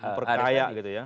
memperkaya gitu ya